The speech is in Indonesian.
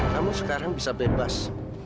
kamu sekarang bisa bebas